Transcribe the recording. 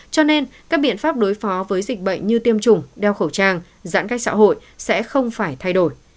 cho nên các biện pháp đối phó với dịch bệnh như tiêm chủng đeo khẩu trang giãn cách xã hội sẽ không phải thay đổi